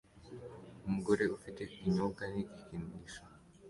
Umugore ufite ikinyobwa n igikinisho